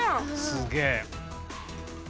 すげえ。